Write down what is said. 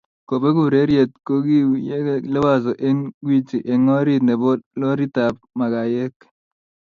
kobeku ureryet kokiunygei Liwazo ak Gwiji eng orit nebo loritab makayek